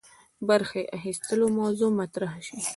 برخي اخیستلو موضوع مطرح سي.